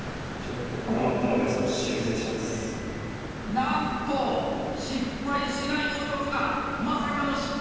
なんと失敗しない男がまさかの失敗か？